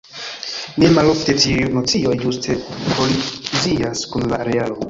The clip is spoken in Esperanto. Ne malofte tiuj nocioj ĝuste kolizias kun la realo.